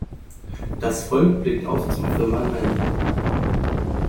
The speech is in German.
Das Volk blickt auf zum Firmament.